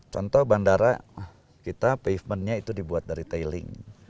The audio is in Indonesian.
contoh bandara kita pavementnya itu dibuat dari tailing